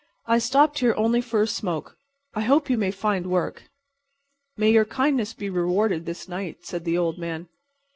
"I stopped here only for a smoke. I hope you may find work." "May your kindness be rewarded this night," said the old man.